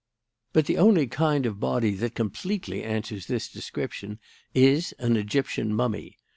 But the only kind of body that completely answers this description is an Egyptian mummy.